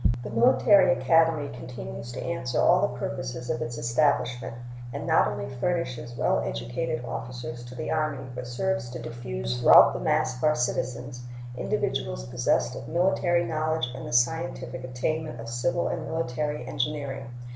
The Military Academy continues to answer all the purposes of its establishment, and not only furnishes well educated officers to the Army, but serves to diffuse throughout the mass of our citizens individuals possessed of military knowledge and the scientific attainments of civil and military engineering.